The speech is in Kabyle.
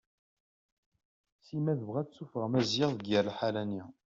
Sima tebɣa ad tessuffeɣ Maziɣ deg yir liḥala-nni.